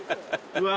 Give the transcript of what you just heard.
うわ！